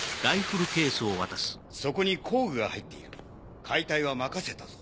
そこに工具が入っている解体は任せたぞ。